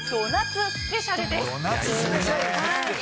ド夏スペシャルね。